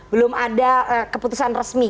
belum ada keputusan resmi